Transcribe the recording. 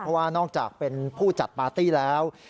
เพราะว่านอกจากเป็นผู้จัดปาร์ตี้แล้ว